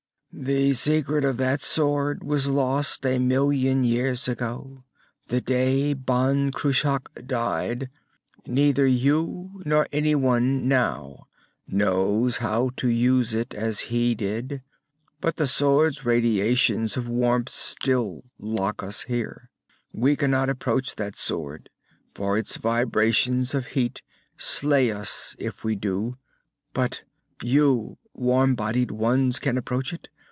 "The secret of that sword was lost a million years ago, the day Ban Cruach died. Neither you nor anyone now knows how to use it as he did. But the sword's radiations of warmth still lock us here. "We cannot approach that sword, for its vibrations of heat slay us if we do. But you warm bodied ones can approach it.